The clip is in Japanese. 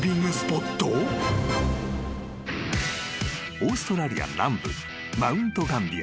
［オーストラリア南部マウントガンビア］